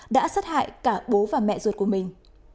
đã sát hại cả bố và mẹ ruột của mình